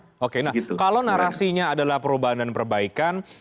oke nah kalau narasinya adalah perubahan dan perbaikan